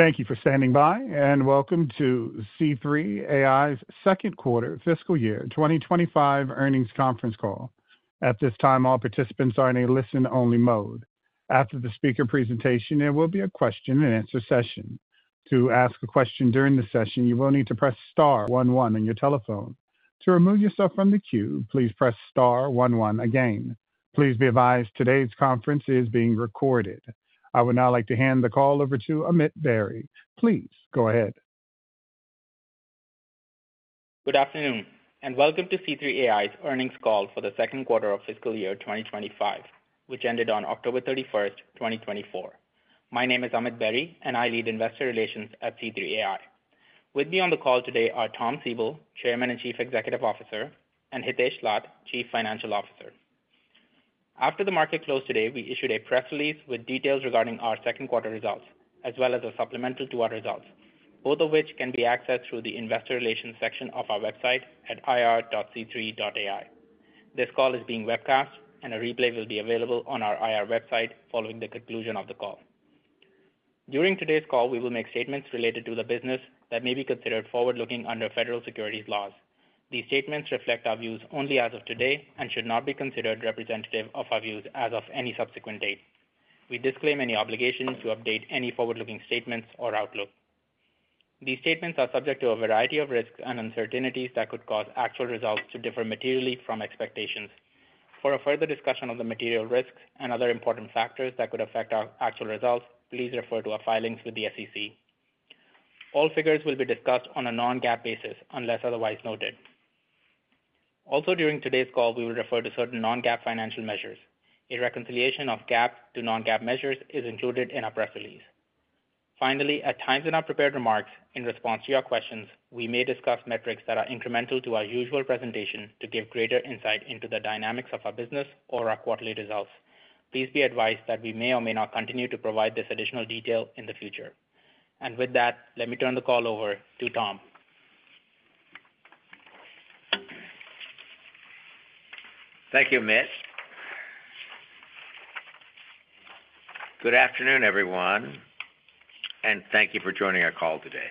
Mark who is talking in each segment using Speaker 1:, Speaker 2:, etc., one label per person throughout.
Speaker 1: Thank you for standing by, and welcome to C3.ai's second quarter fiscal year 2025 earnings conference call. At this time, all participants are in a listen-only mode. After the speaker presentation, there will be a question-and-answer session. To ask a question during the session, you will need to press *11 on your telephone. To remove yourself from the queue, please press *11 again. Please be advised today's conference is being recorded. I would now like to hand the call over to Amit Berry. Please go ahead.
Speaker 2: Good afternoon, and welcome to C3.ai's earnings call for the second quarter of fiscal year 2025, which ended on October 31, 2024. My name is Amit Berry, and I lead investor relations at C3.ai. With me on the call today are Tom Siebel, Chairman and Chief Executive Officer, and Hitesh Lath, Chief Financial Officer. After the market closed today, we issued a press release with details regarding our second quarter results, as well as a supplemental to our results, both of which can be accessed through the investor relations section of our website at ir.c3.ai. This call is being webcast, and a replay will be available on our IR website following the conclusion of the call. During today's call, we will make statements related to the business that may be considered forward-looking under federal securities laws. These statements reflect our views only as of today and should not be considered representative of our views as of any subsequent date. We disclaim any obligations to update any forward-looking statements or outlook. These statements are subject to a variety of risks and uncertainties that could cause actual results to differ materially from expectations. For a further discussion of the material risks and other important factors that could affect our actual results, please refer to our filings with the SEC. All figures will be discussed on a non-GAAP basis unless otherwise noted. Also, during today's call, we will refer to certain non-GAAP financial measures. A reconciliation of GAAP to non-GAAP measures is included in our press release. Finally, at times in our prepared remarks, in response to your questions, we may discuss metrics that are incremental to our usual presentation to give greater insight into the dynamics of our business or our quarterly results. Please be advised that we may or may not continue to provide this additional detail in the future. And with that, let me turn the call over to Tom.
Speaker 3: Thank you, Amit. Good afternoon, everyone, and thank you for joining our call today.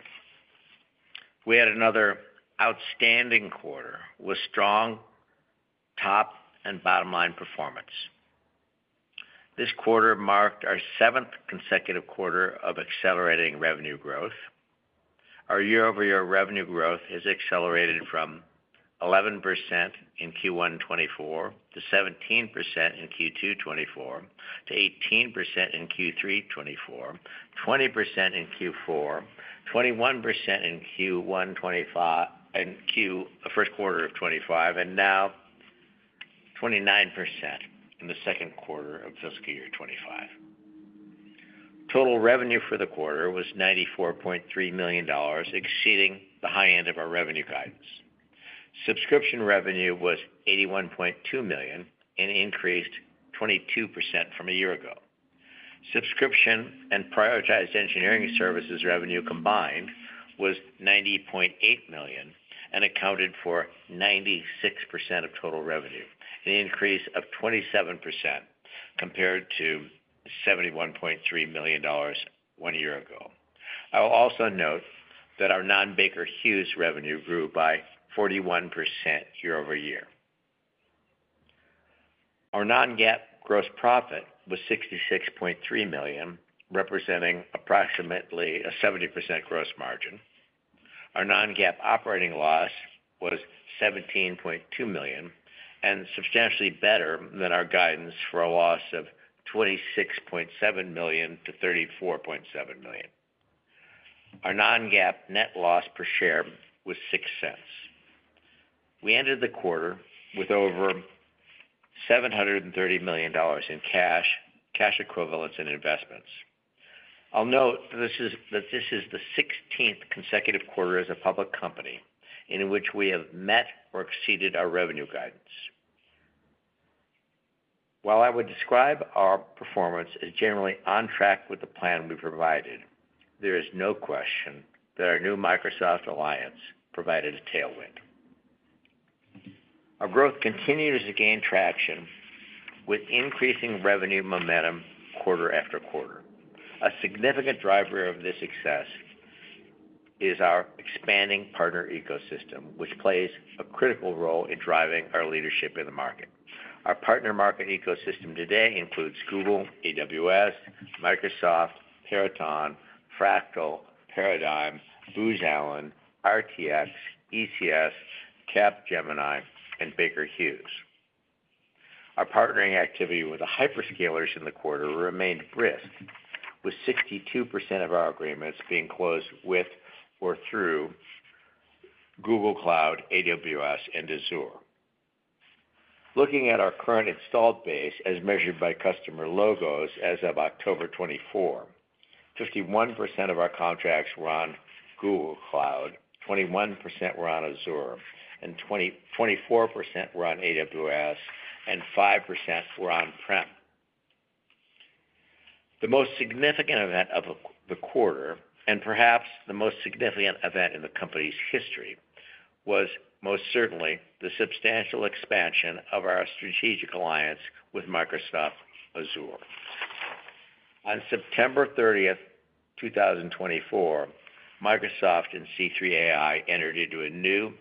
Speaker 3: We had another outstanding quarter with strong top and bottom-line performance. This quarter marked our seventh consecutive quarter of accelerating revenue growth. Our year-over-year revenue growth has accelerated from 11% in Q1 2024 to 17% in Q2 2024 to 18% in Q3 2024, 20% in Q4 2024, 21% in Q1 2025, and Q1, first quarter of 2025, and now 29% in the second quarter of fiscal year 2025. Total revenue for the quarter was $94.3 million, exceeding the high end of our revenue guidance. Subscription revenue was $81.2 million, an increase of 22% from a year ago. Subscription and prioritized engineering services revenue combined was $90.8 million and accounted for 96% of total revenue, an increase of 27% compared to $71.3 million one year ago. I will also note that our non-Baker Hughes revenue grew by 41% year over year. Our non-GAAP gross profit was $66.3 million, representing approximately a 70% gross margin. Our non-GAAP operating loss was $17.2 million and substantially better than our guidance for a loss of $26.7 million to $34.7 million. Our non-GAAP net loss per share was $0.06. We ended the quarter with over $730 million in cash, cash equivalents, and investments. I'll note that this is the 16th consecutive quarter as a public company in which we have met or exceeded our revenue guidance. While I would describe our performance as generally on track with the plan we provided, there is no question that our new Microsoft alliance provided a tailwind. Our growth continues to gain traction with increasing revenue momentum quarter after quarter. A significant driver of this success is our expanding partner ecosystem, which plays a critical role in driving our leadership in the market. Our partner market ecosystem today includes Google, AWS, Microsoft, Peraton, Fractal, Paradigm, Booz Allen, RTX, ECS, Capgemini, and Baker Hughes. Our partnering activity with the hyperscalers in the quarter remained brisk, with 62% of our agreements being closed with or through Google Cloud, AWS, and Azure. Looking at our current installed base as measured by customer logos as of October 2024, 51% of our contracts were on Google Cloud, 21% were on Azure, and 24% were on AWS, and 5% were on-prem. The most significant event of the quarter, and perhaps the most significant event in the company's history, was most certainly the substantial expansion of our strategic alliance with Microsoft Azure. On September 30, 2024, Microsoft and C3.ai entered into a new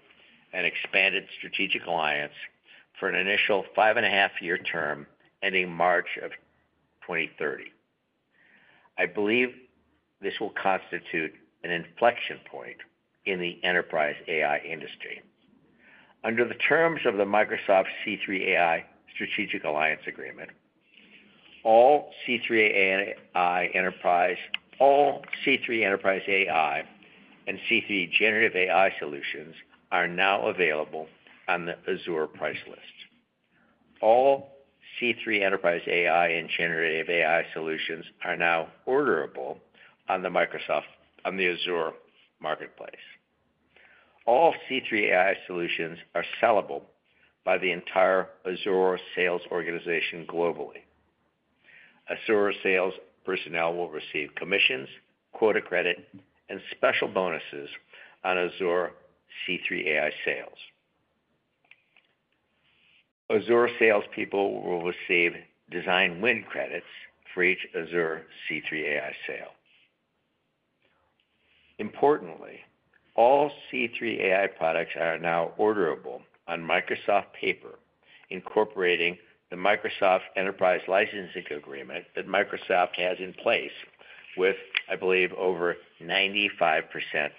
Speaker 3: and expanded strategic alliance for an initial five-and-a-half-year term ending March of 2030. I believe this will constitute an inflection point in the enterprise AI industry. Under the terms of the Microsoft C3.ai Strategic Alliance Agreement, all C3.ai enterprise, all C3 enterprise AI, and C3 Generative AI solutions are now available on the Azure price list. All C3 enterprise AI and Generative AI solutions are now orderable on the Microsoft Azure Marketplace. All C3.ai solutions are sellable by the entire Azure sales organization globally. Azure sales personnel will receive commissions, quota credit, and special bonuses on Azure C3.ai sales. Azure salespeople will receive design win credits for each Azure C3.ai sale. Importantly, all C3.ai products are now orderable on the Azure Marketplace, incorporating the Microsoft Enterprise Licensing Agreement that Microsoft has in place with, I believe, over 95%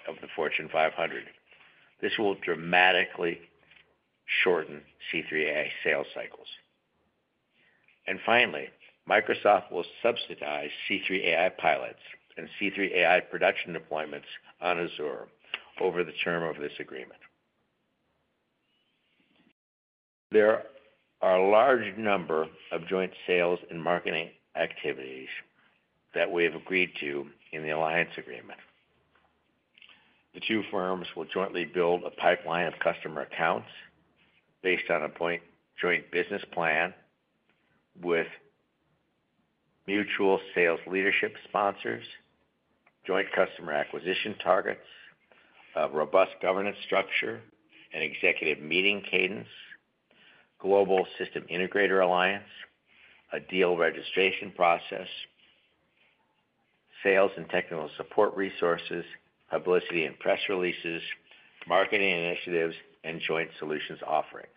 Speaker 3: of the Fortune 500. This will dramatically shorten C3.ai sales cycles. And finally, Microsoft will subsidize C3.ai pilots and C3.ai production deployments on Azure over the term of this agreement. There are a large number of joint sales and marketing activities that we have agreed to in the alliance agreement. The two firms will jointly build a pipeline of customer accounts based on a joint business plan with mutual sales leadership sponsors, joint customer acquisition targets, a robust governance structure, an executive meeting cadence, global system integrator alliance, a deal registration process, sales and technical support resources, publicity and press releases, marketing initiatives, and joint solutions offerings.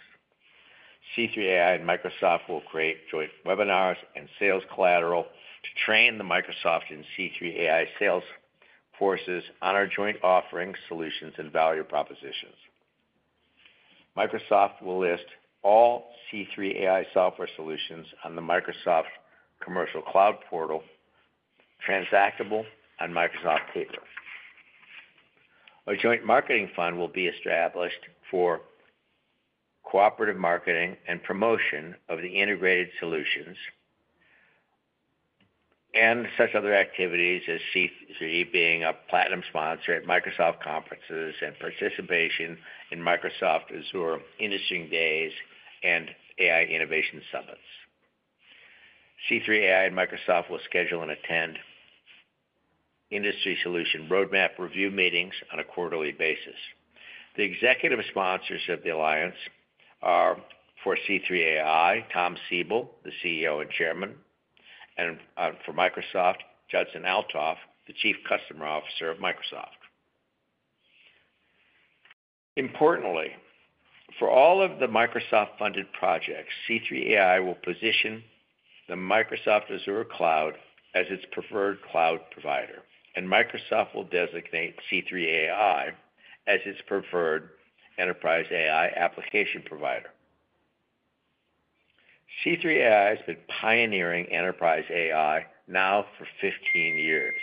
Speaker 3: C3.ai and Microsoft will create joint webinars and sales collateral to train the Microsoft and C3.ai sales forces on our joint offerings, solutions, and value propositions. Microsoft will list all C3.ai software solutions on the Microsoft Commercial Cloud portal, transactable on Microsoft Paper. A joint marketing fund will be established for cooperative marketing and promotion of the integrated solutions and such other activities as C3.ai being a platinum sponsor at Microsoft conferences and participation in Microsoft Azure Industry Days and AI Innovation Summits. C3.ai and Microsoft will schedule and attend industry solution roadmap review meetings on a quarterly basis. The executive sponsors of the alliance are for C3.ai, Tom Siebel, the CEO and Chairman, and for Microsoft, Judson Althoff, the Chief Commercial Officer of Microsoft. Importantly, for all of the Microsoft-funded projects, C3.ai will position the Microsoft Azure Cloud as its preferred cloud provider, and Microsoft will designate C3.ai as its preferred enterprise AI application provider. C3.ai has been pioneering enterprise AI now for 15 years.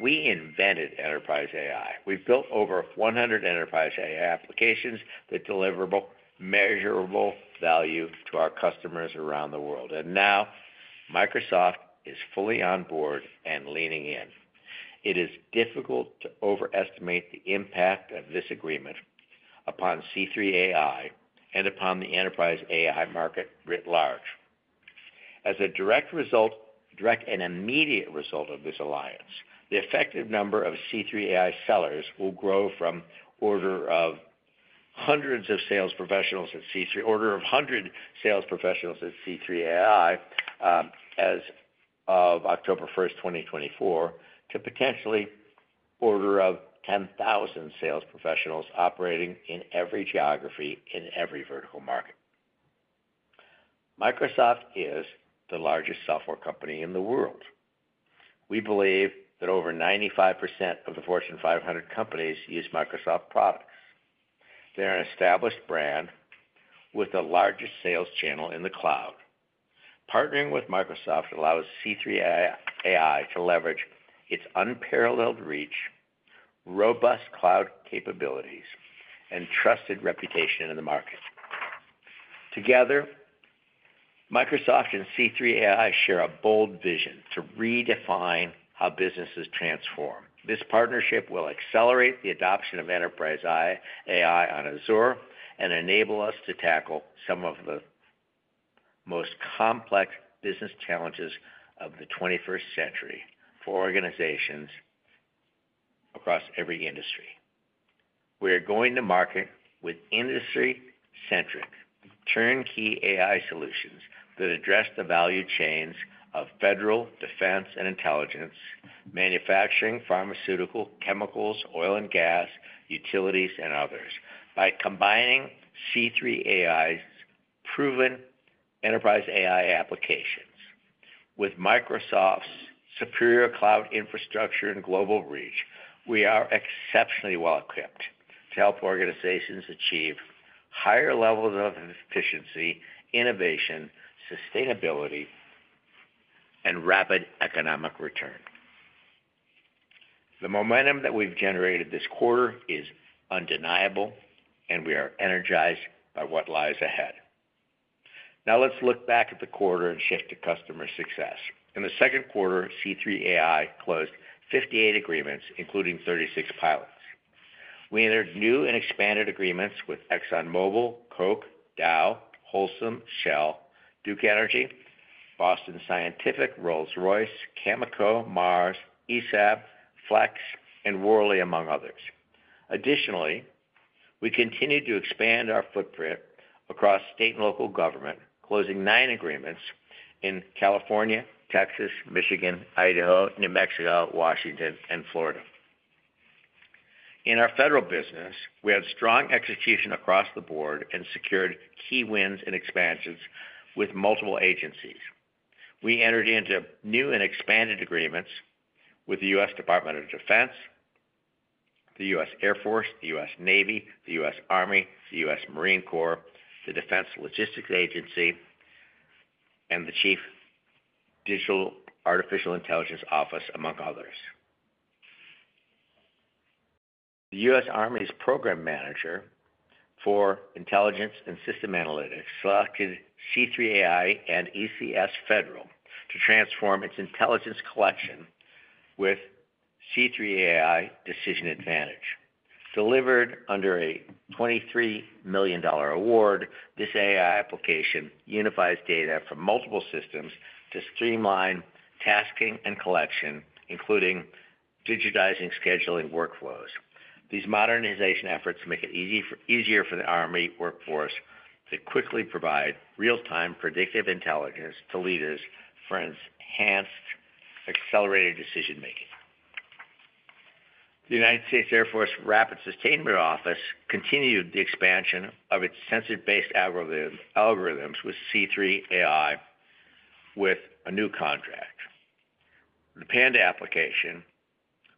Speaker 3: We invented enterprise AI. We've built over 100 enterprise AI applications that deliver measurable value to our customers around the world, and now Microsoft is fully on board and leaning in. It is difficult to overestimate the impact of this agreement upon C3.ai and upon the enterprise AI market writ large. As a direct result, direct and immediate result of this alliance, the effective number of C3.ai sellers will grow from order of hundreds of sales professionals at C3, order of hundred sales professionals at C3.ai as of October 1, 2024, to potentially order of 10,000 sales professionals operating in every geography in every vertical market. Microsoft is the largest software company in the world. We believe that over 95% of the Fortune 500 companies use Microsoft products. They're an established brand with the largest sales channel in the cloud. Partnering with Microsoft allows C3.ai to leverage its unparalleled reach, robust cloud capabilities, and trusted reputation in the market. Together, Microsoft and C3.ai share a bold vision to redefine how businesses transform. This partnership will accelerate the adoption of enterprise AI on Azure and enable us to tackle some of the most complex business challenges of the 21st century for organizations across every industry. We are going to market with industry-centric turnkey AI solutions that address the value chains of federal defense and intelligence, manufacturing, pharmaceutical, chemicals, oil and gas, utilities, and others by combining C3.ai's proven enterprise AI applications. With Microsoft's superior cloud infrastructure and global reach, we are exceptionally well equipped to help organizations achieve higher levels of efficiency, innovation, sustainability, and rapid economic return. The momentum that we've generated this quarter is undeniable, and we are energized by what lies ahead. Now let's look back at the quarter and shift to customer success. In the second quarter, C3.ai closed 58 agreements, including 36 pilots. We entered new and expanded agreements with ExxonMobil, Koch, Dow, Holcim, Shell, Duke Energy, Boston Scientific, Rolls-Royce, Cameco, Mars, ESAB, Flex, and Worley, among others. Additionally, we continue to expand our footprint across state and local government, closing nine agreements in California, Texas, Michigan, Idaho, New Mexico, Washington, and Florida. In our federal business, we had strong execution across the board and secured key wins and expansions with multiple agencies. We entered into new and expanded agreements with the U.S. Department of Defense, the U.S. Air Force, the U.S. Navy, the U.S. Army, the U.S. Marine Corps, the Defense Logistics Agency, and the Chief Digital and Artificial Intelligence Office, among others. The U.S. Army's Program Manager for Intelligence and Systems Analytics selected C3.ai and ECS Federal to transform its intelligence collection with C3.ai Decision Advantage. Delivered under a $23 million award, this AI application unifies data from multiple systems to streamline tasking and collection, including digitizing scheduling workflows. These modernization efforts make it easier for the Army workforce to quickly provide real-time predictive intelligence to leaders, friends. Enhanced accelerated decision-making. The United States Air Force Rapid Sustainment Office continued the expansion of its sensor-based algorithms with C3.ai with a new contract. The PANDA application,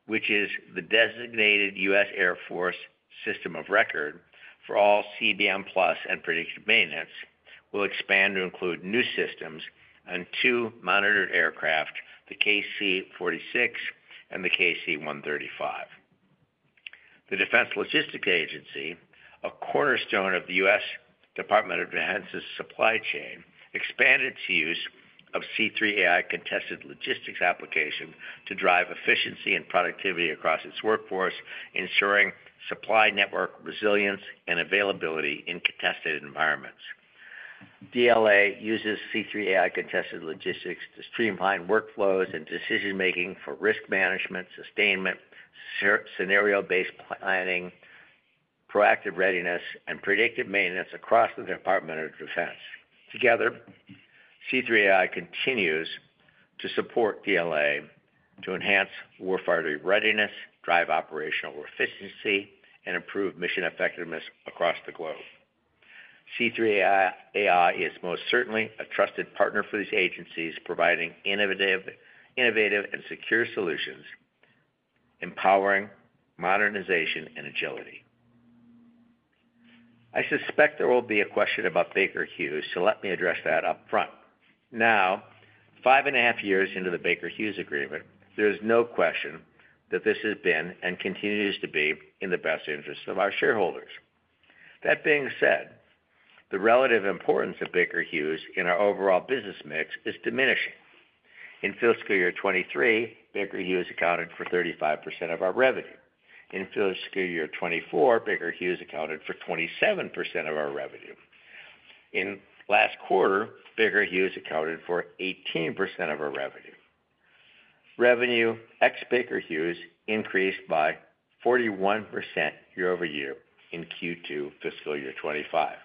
Speaker 3: which is the designated U.S. Air Force system of record for all CBM+ and predictive maintenance will expand to include new systems and two monitored aircraft, the KC-46 and the KC-135. The Defense Logistics Agency, a cornerstone of the U.S. Department of Defense's supply chain, expanded its use of C3.ai Contested Logistics application to drive efficiency and productivity across its workforce, ensuring supply network resilience and availability in contested environments. DLA uses C3.ai Contested Logistics to streamline workflows and decision-making for risk management, sustainment, scenario-based planning, proactive readiness, and predictive maintenance across the Department of Defense. Together, C3.ai continues to support DLA to enhance warfighting readiness, drive operational efficiency, and improve mission effectiveness across the globe. C3.ai is most certainly a trusted partner for these agencies, providing innovative and secure solutions, empowering modernization and agility. I suspect there will be a question about Baker Hughes, so let me address that upfront. Now, five and a half years into the Baker Hughes Agreement, there is no question that this has been and continues to be in the best interests of our shareholders. That being said, the relative importance of Baker Hughes in our overall business mix is diminishing. In fiscal year 2023, Baker Hughes accounted for 35% of our revenue. In fiscal year 2024, Baker Hughes accounted for 27% of our revenue. In last quarter, Baker Hughes accounted for 18% of our revenue. Revenue ex-Baker Hughes increased by 41% year over year in Q2 fiscal year 2025.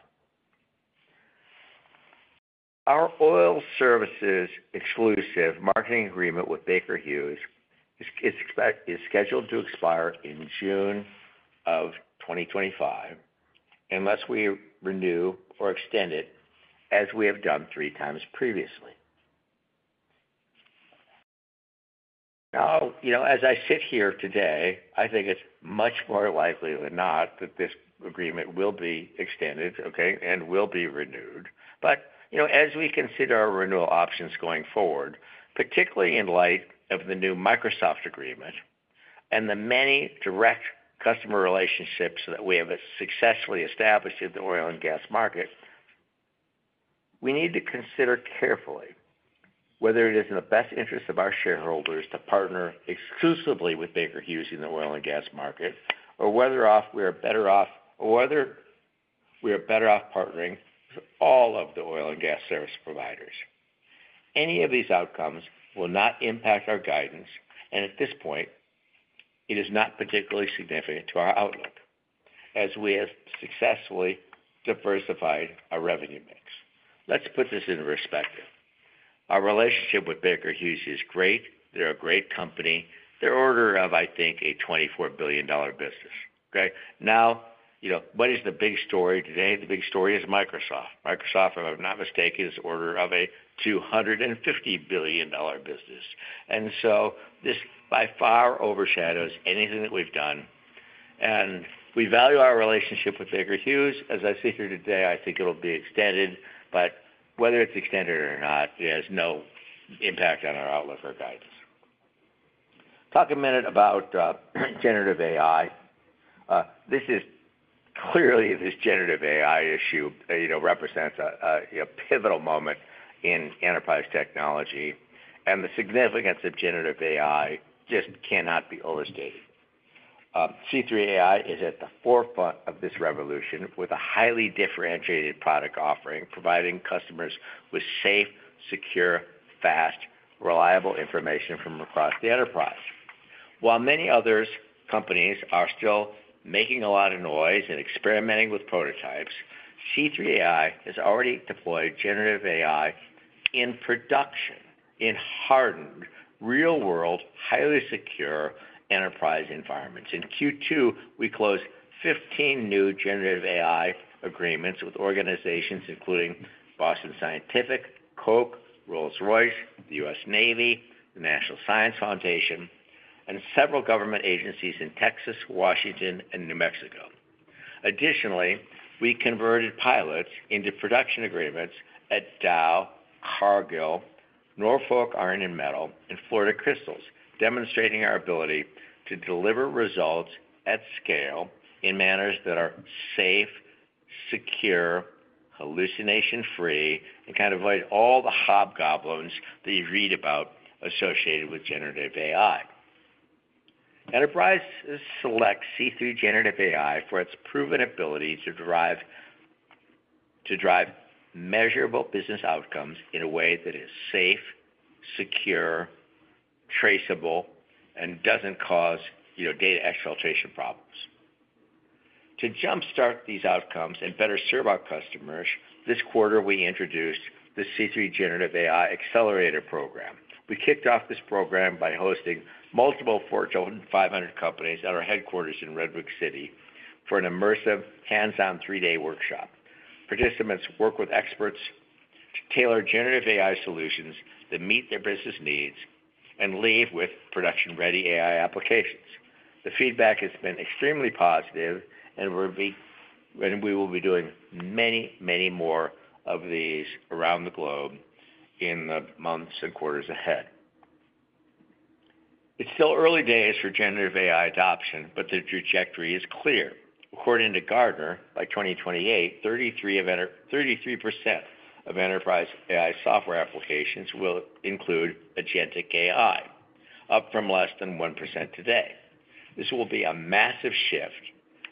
Speaker 3: Our Oil Services Exclusive Marketing Agreement with Baker Hughes is scheduled to expire in June of 2025 unless we renew or extend it, as we have done three times previously. Now, as I sit here today, I think it's much more likely than not that this agreement will be extended, okay, and will be renewed. But as we consider our renewal options going forward, particularly in light of the new Microsoft Agreement and the many direct customer relationships that we have successfully established in the oil and gas market, we need to consider carefully whether it is in the best interest of our shareholders to partner exclusively with Baker Hughes in the oil and gas market or whether we are better off partnering with all of the oil and gas service providers. Any of these outcomes will not impact our guidance, and at this point, it is not particularly significant to our outlook as we have successfully diversified our revenue mix. Let's put this into perspective. Our relationship with Baker Hughes is great. They're a great company. They're order of, I think, a $24 billion business. Okay? Now, what is the big story today? The big story is Microsoft. Microsoft, if I'm not mistaken, is on the order of a $250 billion business, and so this by far overshadows anything that we've done. We value our relationship with Baker Hughes. As I sit here today, I think it'll be extended, but whether it's extended or not, it has no impact on our outlook or guidance. Talk a minute about generative AI. Clearly, this generative AI issue represents a pivotal moment in enterprise technology, and the significance of generative AI just cannot be overstated. C3.ai is at the forefront of this revolution with a highly differentiated product offering, providing customers with safe, secure, fast, reliable information from across the enterprise. While many other companies are still making a lot of noise and experimenting with prototypes, C3.ai has already deployed generative AI in production, in hardened, real-world, highly secure enterprise environments. In Q2, we closed 15 new generative AI agreements with organizations including Boston Scientific, Koch, Rolls-Royce, the U.S. Navy, the National Science Foundation, and several government agencies in Texas, Washington, and New Mexico. Additionally, we converted pilots into production agreements at Dow, Cargill, Norfolk Iron and Metal, and Florida Crystals, demonstrating our ability to deliver results at scale in manners that are safe, secure, hallucination-free, and kind of avoid all the hobgoblins that you read about associated with generative AI. Enterprise selects C3.ai for its proven ability to drive measurable business outcomes in a way that is safe, secure, traceable, and doesn't cause data exfiltration problems. To jump-start these outcomes and better serve our customers, this quarter, we introduced the C3.ai Accelerator Program. We kicked off this program by hosting multiple Fortune 500 companies at our headquarters in Redwood City for an immersive hands-on three-day workshop. Participants work with experts to tailor generative AI solutions that meet their business needs and leave with production-ready AI applications. The feedback has been extremely positive, and we will be doing many, many more of these around the globe in the months and quarters ahead. It's still early days for generative AI adoption, but the trajectory is clear. According to Gartner, by 2028, 33% of enterprise AI software applications will include agentic AI, up from less than 1% today. This will be a massive shift,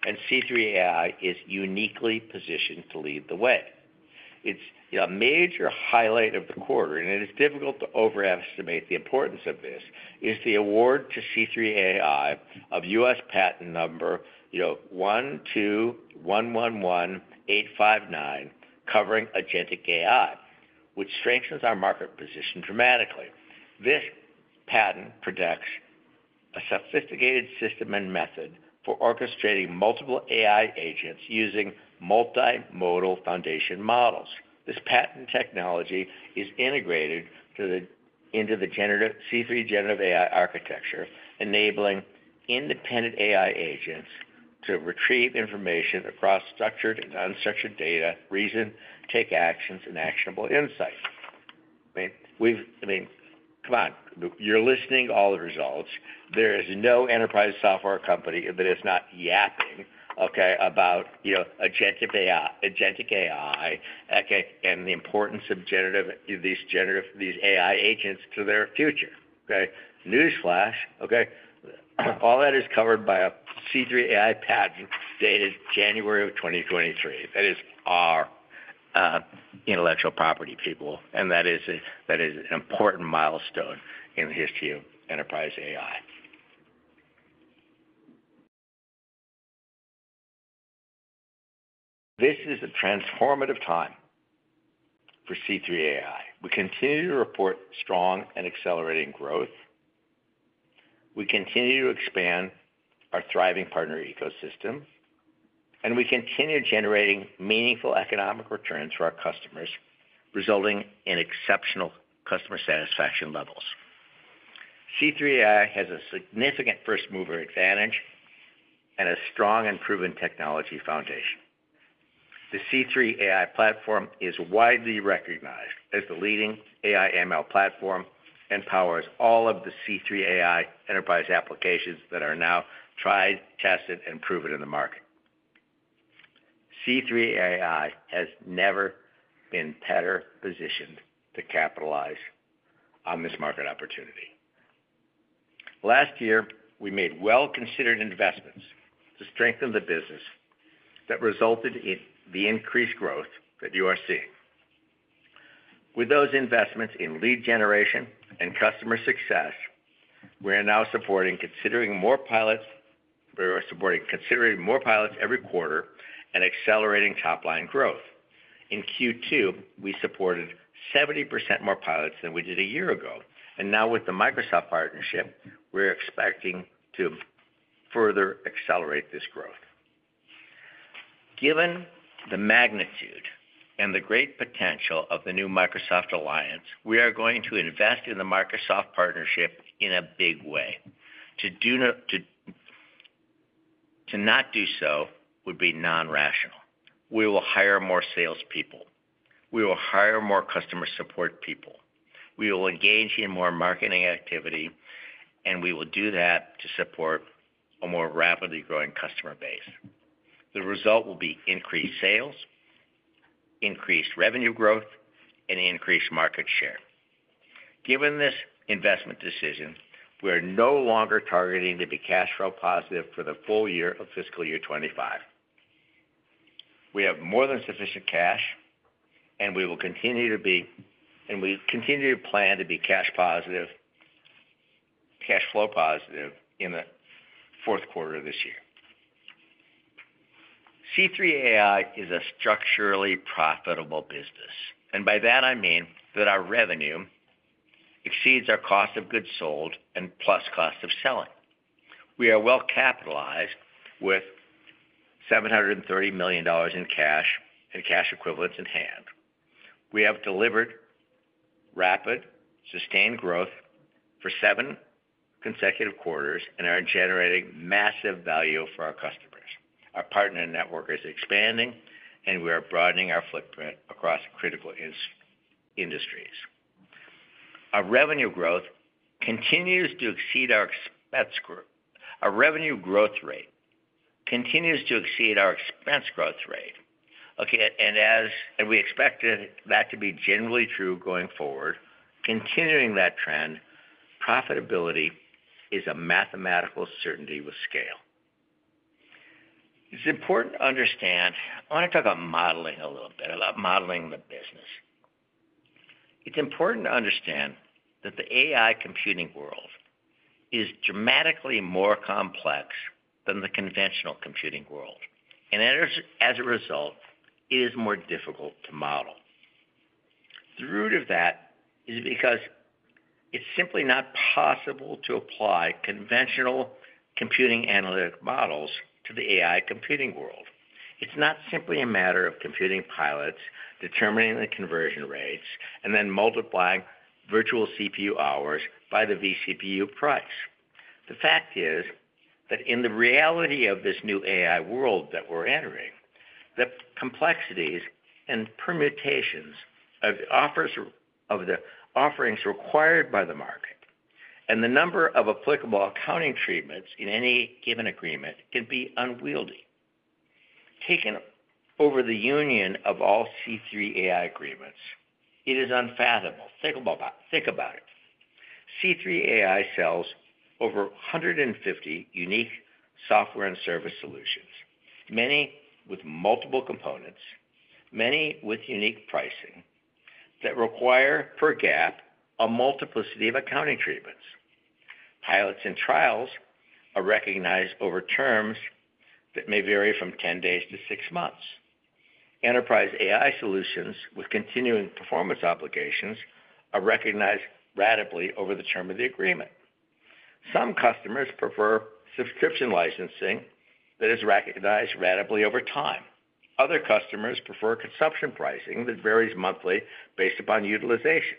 Speaker 3: and C3.ai is uniquely positioned to lead the way. It's a major highlight of the quarter, and it is difficult to overestimate the importance of this is the award to C3.ai of U.S. patent number 12111859 covering agentic AI, which strengthens our market position dramatically. This patent protects a sophisticated system and method for orchestrating multiple AI agents using multimodal foundation models. This patent technology is integrated into the C3.ai architecture, enabling independent AI agents to retrieve information across structured and unstructured data, reason, take actions, and actionable insights. I mean, come on. You're listening to all the results. There is no enterprise software company that is not yapping, okay, about agentic AI and the importance of these AI agents to their future. Okay? News flash. Okay? All that is covered by a C3.ai patent dated January of 2023. That is our intellectual property, people, and that is an important milestone in the history of enterprise AI. This is a transformative time for C3.ai. We continue to report strong and accelerating growth. We continue to expand our thriving partner ecosystem, and we continue generating meaningful economic returns for our customers, resulting in exceptional customer satisfaction levels. C3.ai has a significant first-mover advantage and a strong and proven technology foundation. The C3.ai platform is widely recognized as the leading AI/ML platform and powers all of the C3.ai enterprise applications that are now tried, tested, and proven in the market. C3.ai has never been better positioned to capitalize on this market opportunity. Last year, we made well-considered investments to strengthen the business that resulted in the increased growth that you are seeing. With those investments in lead generation and customer success, we are now supporting considering more pilots every quarter and accelerating top-line growth. In Q2, we supported 70% more pilots than we did a year ago, and now with the Microsoft partnership, we're expecting to further accelerate this growth. Given the magnitude and the great potential of the new Microsoft Alliance, we are going to invest in the Microsoft partnership in a big way. To not do so would be irrational. We will hire more salespeople. We will hire more customer support people. We will engage in more marketing activity, and we will do that to support a more rapidly growing customer base. The result will be increased sales, increased revenue growth, and increased market share. Given this investment decision, we are no longer targeting to be cash flow positive for the full year of fiscal year 2025. We have more than sufficient cash, and we will continue to be and we continue to plan to be cash flow positive in the fourth quarter of this year. C3.ai is a structurally profitable business, and by that, I mean that our revenue exceeds our cost of goods sold and plus cost of selling. We are well capitalized with $730 million in cash and cash equivalents in hand. We have delivered rapid, sustained growth for seven consecutive quarters and are generating massive value for our customers. Our partner network is expanding, and we are broadening our footprint across critical industries. Our revenue growth continues to exceed our expense growth. Our revenue growth rate continues to exceed our expense growth rate. Okay? And we expect that to be generally true going forward. Continuing that trend, profitability is a mathematical certainty with scale. It's important to understand, I want to talk about modeling a little bit, about modeling the business. It's important to understand that the AI computing world is dramatically more complex than the conventional computing world, and as a result, it is more difficult to model. The root of that is because it's simply not possible to apply conventional computing analytic models to the AI computing world. It's not simply a matter of computing pilots, determining the conversion rates, and then multiplying virtual CPU hours by the VCPU price. The fact is that in the reality of this new AI world that we're entering, the complexities and permutations of the offerings required by the market and the number of applicable accounting treatments in any given agreement can be unwieldy. Taken over the union of all C3.ai agreements, it is unfathomable. Think about it. C3.ai sells over 150 unique software and service solutions, many with multiple components, many with unique pricing that require, per GAAP, a multiplicity of accounting treatments. Pilots and trials are recognized over terms that may vary from 10 days to 6 months. Enterprise AI solutions with continuing performance obligations are recognized ratably over the term of the agreement. Some customers prefer subscription licensing that is recognized ratably over time. Other customers prefer consumption pricing that varies monthly based upon utilization.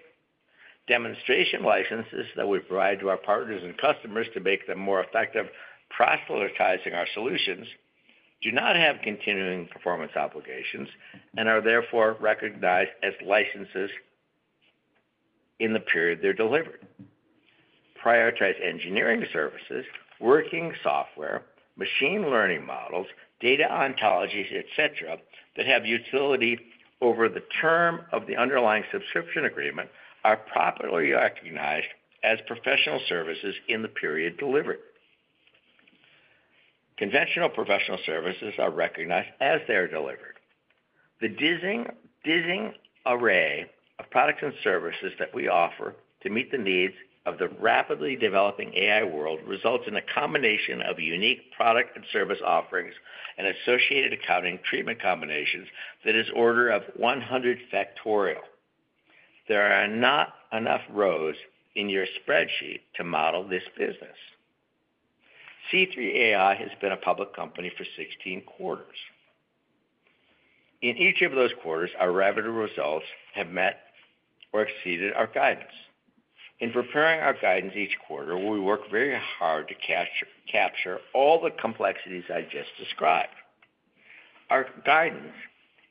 Speaker 3: Demonstration licenses that we provide to our partners and customers to make them more effective proselytizing our solutions do not have continuing performance obligations and are therefore recognized as licenses in the period they're delivered. Prioritized engineering services, working software, machine learning models, data ontologies, etc., that have utility over the term of the underlying subscription agreement are properly recognized as professional services in the period delivered. Conventional professional services are recognized as they are delivered. The dizzying array of products and services that we offer to meet the needs of the rapidly developing AI world results in a combination of unique product and service offerings and associated accounting treatment combinations that is order of 100 factorial. There are not enough rows in your spreadsheet to model this business. C3.ai has been a public company for 16 quarters. In each of those quarters, our revenue results have met or exceeded our guidance. In preparing our guidance each quarter, we work very hard to capture all the complexities I just described. Our guidance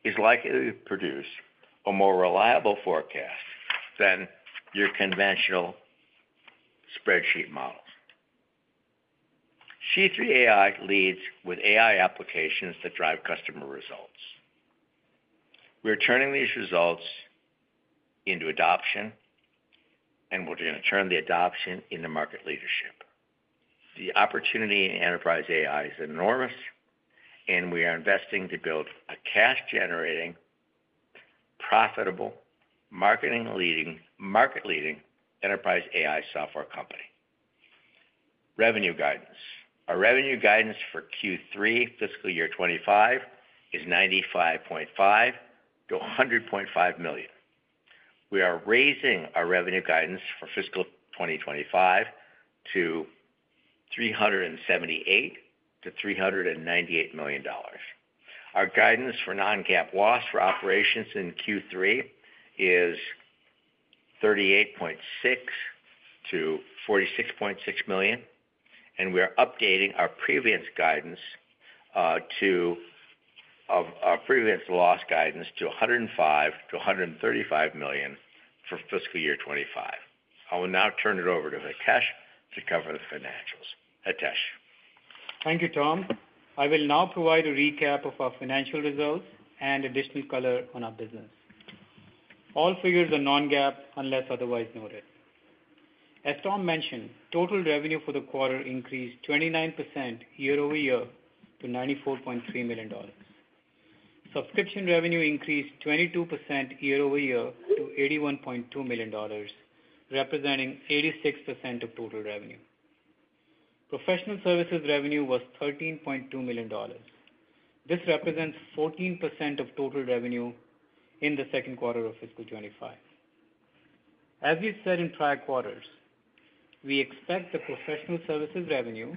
Speaker 3: is likely to produce a more reliable forecast than your conventional spreadsheet models. C3.ai leads with AI applications that drive customer results. We're turning these results into adoption, and we're going to turn the adoption into market leadership. The opportunity in enterprise AI is enormous, and we are investing to build a cash-generating, profitable, market-leading enterprise AI software company. Revenue guidance. Our revenue guidance for Q3, fiscal year 2025, is $95.5-$100.5 million. We are raising our revenue guidance for fiscal 2025 to $378-$398 million. Our guidance for non-GAAP loss for operations in Q3 is $38.6-$46.6 million, and we are updating our previous guidance to our previous loss guidance to $105-$135 million for fiscal year 2025. I will now turn it over to Hitesh to cover the financials. Hitesh.
Speaker 2: Thank you, Tom. I will now provide a recap of our financial results and additional color on our business. All figures are non-GAAP unless otherwise noted. As Tom mentioned, total revenue for the quarter increased 29% year over year to $94.3 million. Subscription revenue increased 22% year over year to $81.2 million, representing 86% of total revenue. Professional services revenue was $13.2 million. This represents 14% of total revenue in the second quarter of fiscal 2025. As we said in prior quarters, we expect the professional services revenue,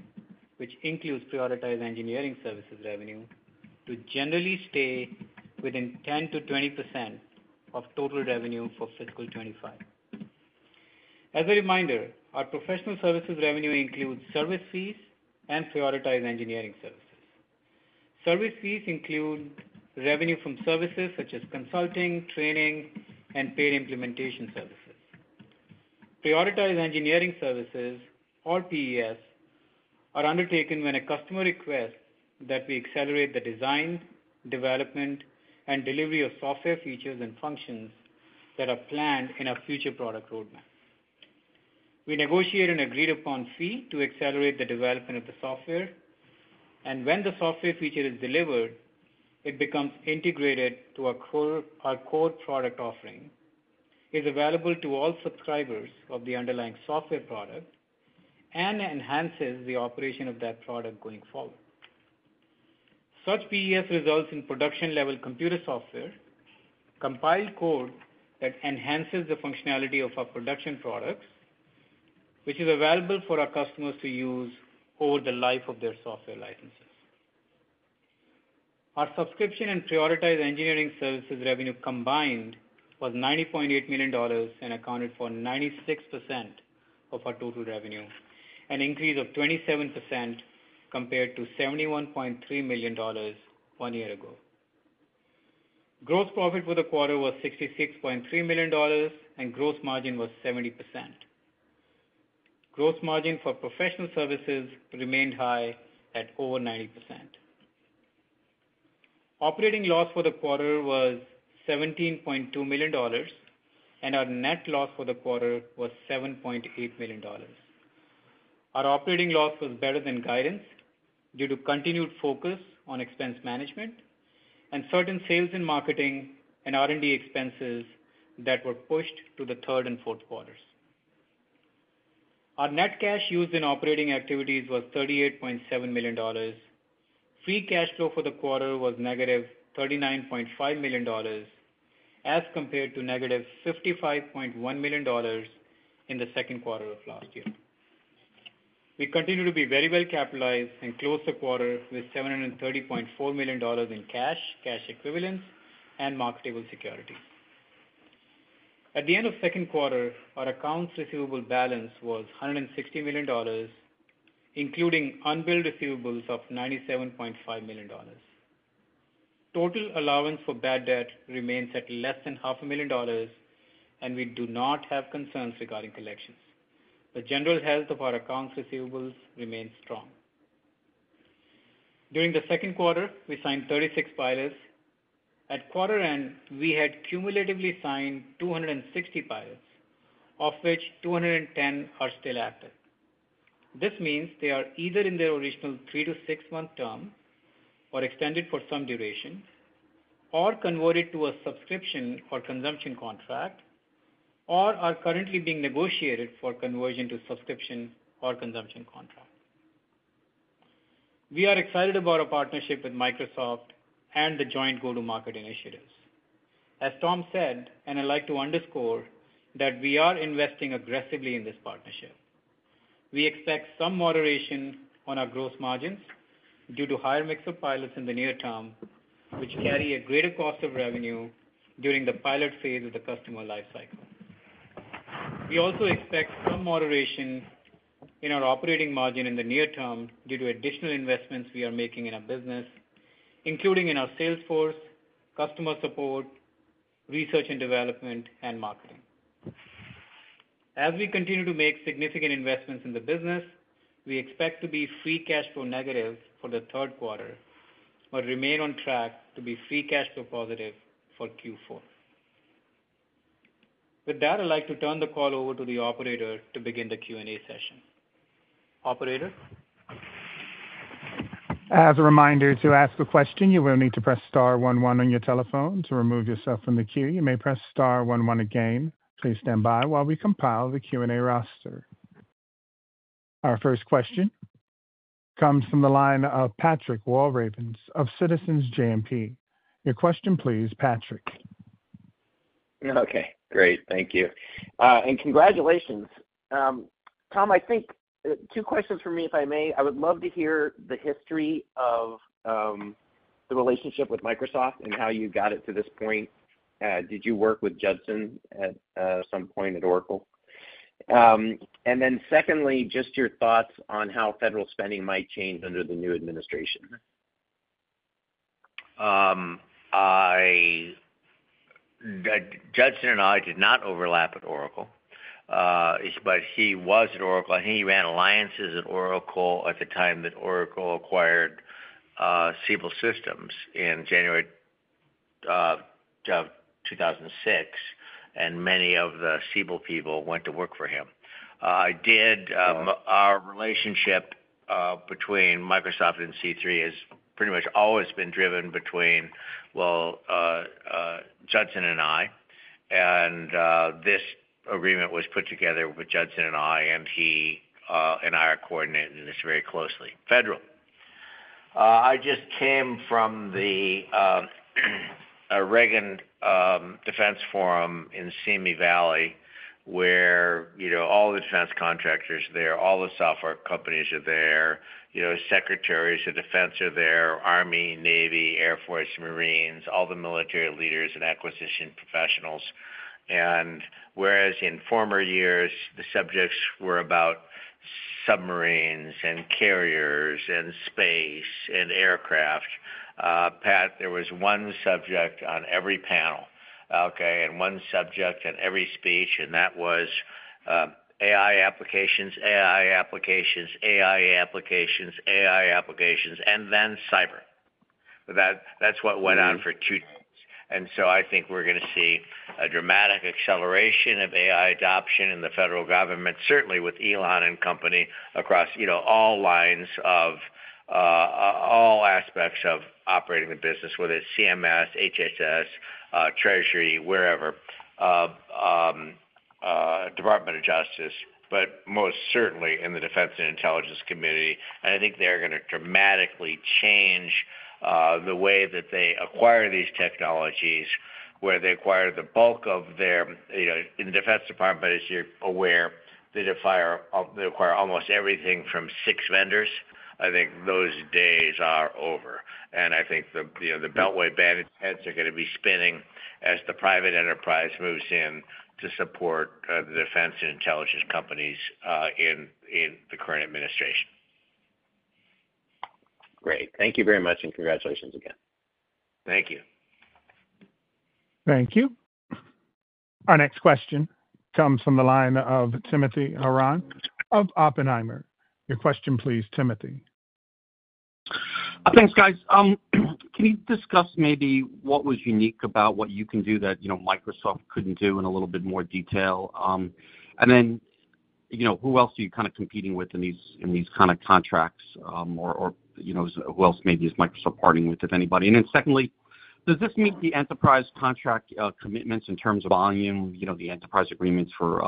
Speaker 2: which includes prioritized engineering services revenue, to generally stay within 10%-20% of total revenue for fiscal 2025. As a reminder, our professional services revenue includes service fees and prioritized engineering services. Service fees include revenue from services such as consulting, training, and paid implementation services. Prioritized engineering services, or PES, are undertaken when a customer requests that we accelerate the design, development, and delivery of software features and functions that are planned in a future product roadmap. We negotiate an agreed-upon fee to accelerate the development of the software, and when the software feature is delivered, it becomes integrated to our core product offering, is available to all subscribers of the underlying software product, and enhances the operation of that product going forward. Such PES results in production-level computer software, compiled code that enhances the functionality of our production products, which is available for our customers to use over the life of their software licenses. Our subscription and prioritized engineering services revenue combined was $90.8 million and accounted for 96% of our total revenue, an increase of 27% compared to $71.3 million one year ago. Gross profit for the quarter was $66.3 million, and gross margin was 70%. Gross margin for professional services remained high at over 90%. Operating loss for the quarter was $17.2 million, and our net loss for the quarter was $7.8 million. Our operating loss was better than guidance due to continued focus on expense management and certain sales and marketing and R&D expenses that were pushed to the third and fourth quarters. Our net cash used in operating activities was $38.7 million. Free cash flow for the quarter was negative $39.5 million as compared to negative $55.1 million in the second quarter of last year. We continue to be very well capitalized and closed the quarter with $730.4 million in cash, cash equivalents, and marketable securities. At the end of the second quarter, our accounts receivable balance was $160 million, including unbilled receivables of $97.5 million. Total allowance for bad debt remains at less than $500,000, and we do not have concerns regarding collections. The general health of our accounts receivables remains strong. During the second quarter, we signed 36 pilots. At quarter end, we had cumulatively signed 260 pilots, of which 210 are still active. This means they are either in their original three- to six-month term or extended for some duration or converted to a subscription or consumption contract or are currently being negotiated for conversion to subscription or consumption contract. We are excited about our partnership with Microsoft and the joint go-to-market initiatives. As Tom said, and I'd like to underscore that we are investing aggressively in this partnership. We expect some moderation on our gross margins due to higher mix of pilots in the near term, which carry a greater cost of revenue during the pilot phase of the customer lifecycle. We also expect some moderation in our operating margin in the near term due to additional investments we are making in our business, including in our sales force, customer support, research and development, and marketing. As we continue to make significant investments in the business, we expect to be free cash flow negative for the third quarter, but remain on track to be free cash flow positive for Q4. With that, I'd like to turn the call over to the operator to begin the Q&A session. Operator.
Speaker 1: As a reminder to ask a question, you will need to press star 11 on your telephone to remove yourself from the queue. You may press star 11 again. Please stand by while we compile the Q&A roster. Our first question comes from the line of Patrick Walravens of Citizens JMP. Your question, please, Patrick.
Speaker 4: Okay. Great. Thank you and congratulations. Tom, I think two questions for me, if I may. I would love to hear the history of the relationship with Microsoft and how you got it to this point. Did you work with Judson at some point at Oracle? And then secondly, just your thoughts on how federal spending might change under the new administration.
Speaker 3: Judson and I did not overlap at Oracle, but he was at Oracle, and he ran alliances at Oracle at the time that Oracle acquired Siebel Systems in January of 2006, and many of the Siebel people went to work for him. Our relationship between Microsoft and C3 has pretty much always been driven between, well, Judson and I, and this agreement was put together with Judson and I, and he and I are coordinating this very closely. Federal. I just came from the Reagan Defense Forum in Simi Valley, where all the defense contractors are there, all the software companies are there, secretaries of defense are there, Army, Navy, Air Force, Marines, all the military leaders and acquisition professionals. And whereas in former years, the subjects were about submarines and carriers and space and aircraft, Pat, there was one subject on every panel, okay, and one subject in every speech, and that was AI applications, AI applications, AI applications, AI applications, and then cyber. That's what went on for two days. And so I think we're going to see a dramatic acceleration of AI adoption in the federal government, certainly with Elon and company across all lines of all aspects of operating the business, whether it's CMS, HHS, Treasury, wherever, Department of Justice, but most certainly in the Defense and Intelligence Community. And I think they're going to dramatically change the way that they acquire these technologies, where they acquire the bulk of their in the Defense Department, as you're aware, they acquire almost everything from six vendors. I think those days are over. I think the Beltway bandits' heads are going to be spinning as the private enterprise moves in to support the defense and intelligence companies in the current administration.
Speaker 4: Great. Thank you very much, and congratulations again.
Speaker 3: Thank you. Thank you. Our next question comes from the line of Timothy Horan of Oppenheimer. Your question, please, Timothy.
Speaker 5: Thanks, guys. Can you discuss maybe what was unique about what you can do that Microsoft couldn't do in a little bit more detail? And then who else are you kind of competing with in these kind of contracts, or who else maybe is Microsoft parting with, if anybody? And then secondly, does this meet the enterprise contract commitments in terms of volume, the enterprise agreements for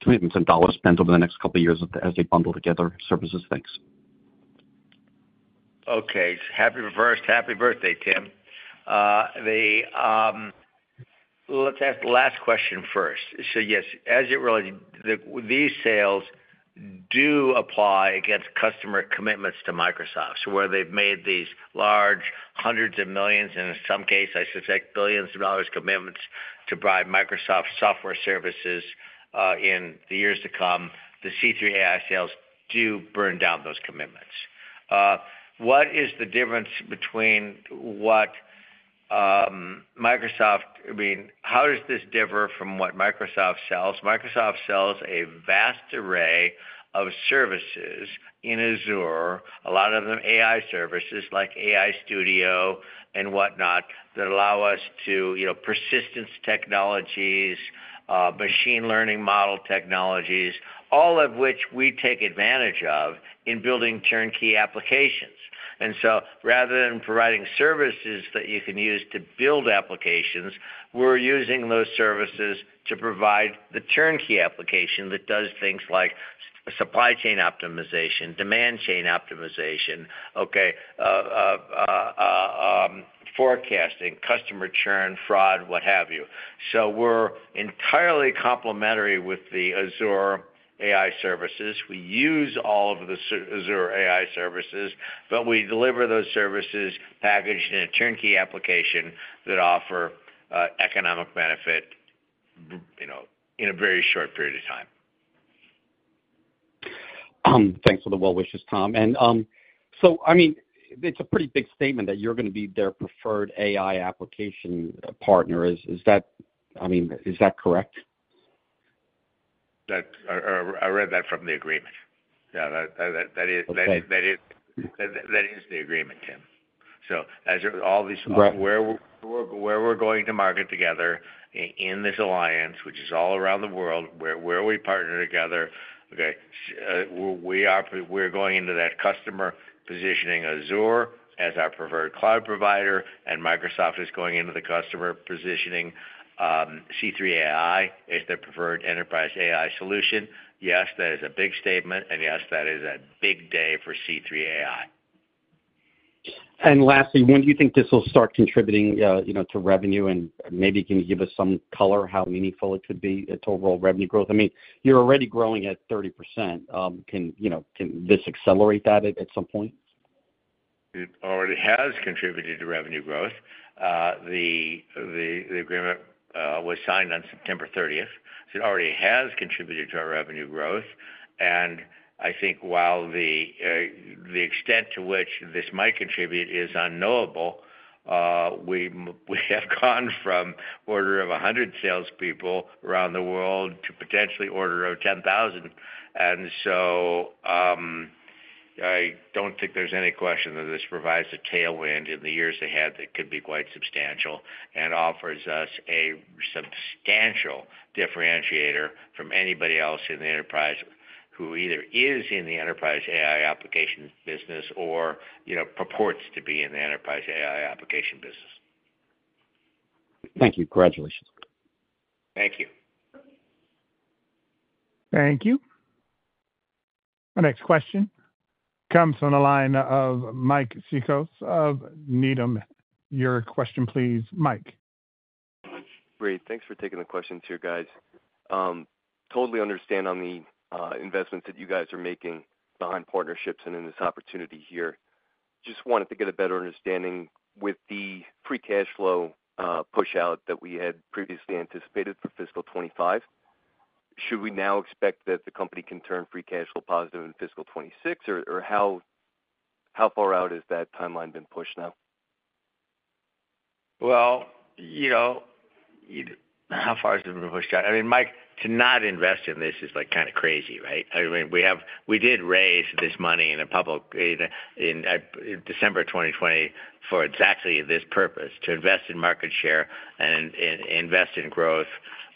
Speaker 5: commitments and dollars spent over the next couple of years as they bundle together services? Thanks.
Speaker 3: Okay. Happy birthday, Tim. Let's ask the last question first. So yes, as you realize, these sales do apply against customer commitments to Microsoft. So where they've made these large hundreds of millions, and in some cases, I suspect, billions of dollars commitments to buy Microsoft software services in the years to come, the C3 AI sales do burn down those commitments. What is the difference between what Microsoft, I mean, how does this differ from what Microsoft sells? Microsoft sells a vast array of services in Azure, a lot of them AI services like AI Studio and whatnot that allow us to persistence technologies, machine learning model technologies, all of which we take advantage of in building turnkey applications. And so rather than providing services that you can use to build applications, we're using those services to provide the turnkey application that does things like supply chain optimization, demand chain optimization, okay, forecasting, customer churn, fraud, what have you, so we're entirely complementary with the Azure AI services. We use all of the Azure AI services, but we deliver those services packaged in a turnkey application that offers economic benefit in a very short period of time.
Speaker 5: Thanks for the well-wishes, Tom. And so, I mean, it's a pretty big statement that you're going to be their preferred AI application partner. I mean, is that correct?
Speaker 3: I read that from the agreement. Yeah, that is the agreement, Tim. So all these, where we're going to market together in this alliance, which is all around the world, where we partner together, okay, we are going into that customer positioning Azure as our preferred cloud provider, and Microsoft is going into the customer positioning C3 AI as their preferred enterprise AI solution. Yes, that is a big statement, and yes, that is a big day for C3 AI.
Speaker 5: Lastly, when do you think this will start contributing to revenue, and maybe can you give us some color how meaningful it could be to overall revenue growth? I mean, you're already growing at 30%. Can this accelerate that at some point?
Speaker 3: It already has contributed to revenue growth. The agreement was signed on September 30th, so it already has contributed to our revenue growth, and I think while the extent to which this might contribute is unknowable, we have gone from an order of 100 salespeople around the world to potentially an order of 10,000, and so I don't think there's any question that this provides a tailwind in the years ahead that could be quite substantial and offers us a substantial differentiator from anybody else in the enterprise who either is in the enterprise AI application business or purports to be in the enterprise AI application business.
Speaker 5: Thank you. Congratulations.
Speaker 3: Thank you. Thank you. Our next question comes from the line of Mike Cikos of Needham. Your question, please, Mike.
Speaker 6: Great. Thanks for taking the question too, guys. Totally understand on the investments that you guys are making behind partnerships and in this opportunity here. Just wanted to get a better understanding with the free cash flow push-out that we had previously anticipated for fiscal 2025. Should we now expect that the company can turn free cash flow positive in fiscal 2026, or how far out has that timeline been pushed now?
Speaker 3: How far has it been pushed out? I mean, Mike, to not invest in this is kind of crazy, right? I mean, we did raise this money in December 2020 for exactly this purpose: to invest in market share and invest in growth.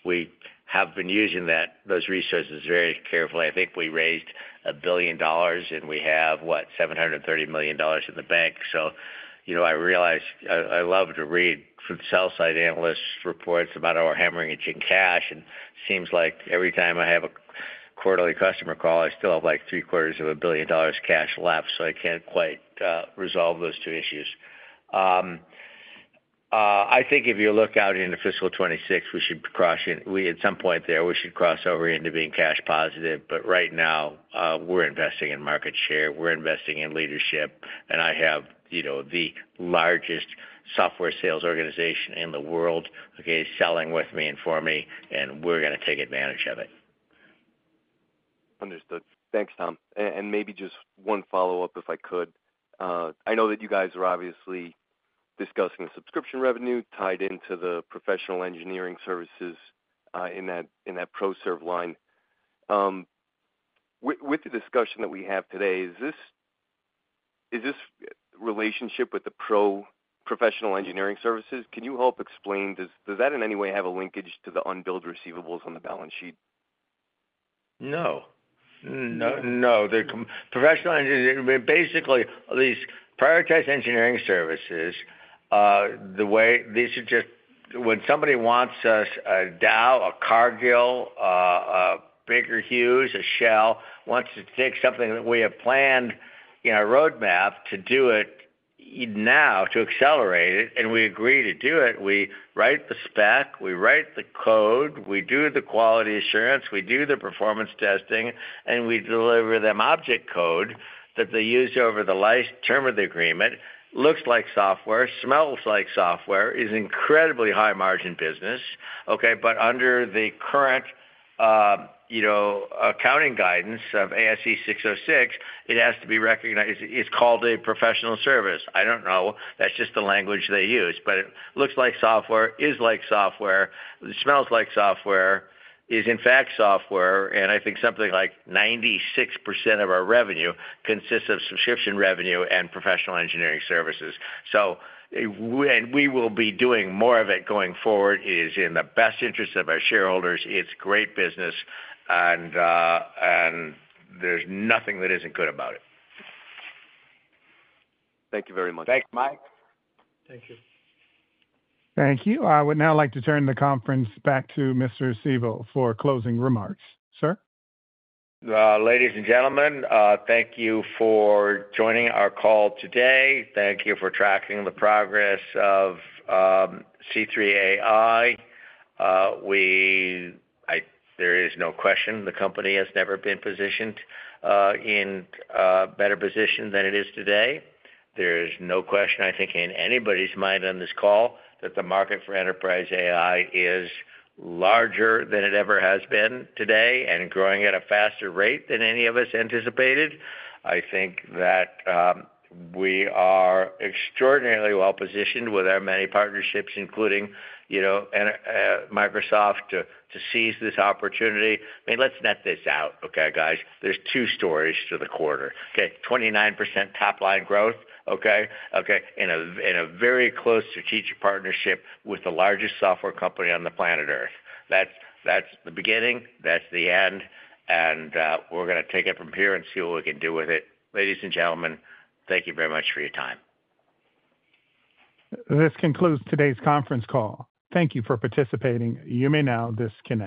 Speaker 3: We have been using those resources very carefully. I think we raised a billion dollars, and we have, what, $730 million in the bank. So I realize I love to read from sell-side analysts' reports about our hoarding cash, and it seems like every time I have a quarterly earnings call, I still have like $750 million cash left, so I can't quite resolve those two issues. I think if you look out into fiscal 2026, we should cross - at some point there, we should cross over into being cash positive. But right now, we're investing in market share. We're investing in leadership, and I have the largest software sales organization in the world, okay, selling with me and for me, and we're going to take advantage of it.
Speaker 6: Understood. Thanks, Tom. And maybe just one follow-up, if I could. I know that you guys are obviously discussing the subscription revenue tied into the professional engineering services in that ProServe line. With the discussion that we have today, is this relationship with the professional engineering services? Can you help explain? Does that in any way have a linkage to the unbilled receivables on the balance sheet?
Speaker 3: No. No. Basically, these prioritized engineering services, the way these are just, when somebody wants us, a Dow, a Cargill, a Baker Hughes, a Shell, wants to take something that we have planned in our roadmap to do it now, to accelerate it, and we agree to do it, we write the spec, we write the code, we do the quality assurance, we do the performance testing, and we deliver them object code that they use over the life term of the agreement, looks like software, smells like software, is an incredibly high-margin business, okay, but under the current accounting guidance of ASC 606, it has to be recognized as it's called a professional service. I don't know. That's just the language they use. But it looks like software, is like software, smells like software, is in fact software, and I think something like 96% of our revenue consists of subscription revenue and professional engineering services. So we will be doing more of it going forward. It is in the best interest of our shareholders. It's great business, and there's nothing that isn't good about it.
Speaker 6: Thank you very much.
Speaker 3: Thanks, Mike.
Speaker 6: Thank you. Thank you. I would now like to turn the conference back to Mr. Siebel for closing remarks. Sir?
Speaker 3: Ladies and gentlemen, thank you for joining our call today. Thank you for tracking the progress of C3.ai. There is no question the company has never been positioned in a better position than it is today. There is no question, I think, in anybody's mind on this call that the market for enterprise AI is larger than it ever has been today and growing at a faster rate than any of us anticipated. I think that we are extraordinarily well-positioned with our many partnerships, including Microsoft, to seize this opportunity. I mean, let's net this out, okay, guys? There's two stories to the quarter. Okay, 29% top-line growth, okay, in a very close strategic partnership with the largest software company on the planet Earth. That's the beginning. That's the end, and we're going to take it from here and see what we can do with it. Ladies and gentlemen, thank you very much for your time. This concludes today's conference call. Thank you for participating. You may now disconnect.